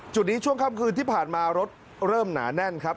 จุดนี้ช่วงค่ำคืนที่ผ่านมารถเริ่มหนาแน่นครับ